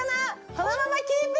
このままキープ！